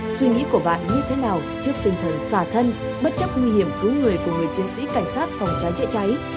suy nghĩ của bạn như thế nào trước tinh thần xả thân bất chấp nguy hiểm cứu người của người chiến sĩ cảnh sát phòng cháy chữa cháy